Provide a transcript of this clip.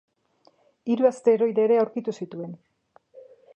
Hiru asteroide ere aurkitu zituen.